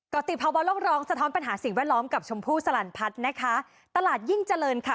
ติภาวะโลกร้องสะท้อนปัญหาสิ่งแวดล้อมกับชมพู่สลันพัฒน์นะคะตลาดยิ่งเจริญค่ะ